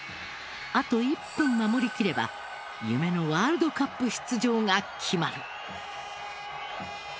あと１分守り切れば夢のワールドカップ出場が決まる。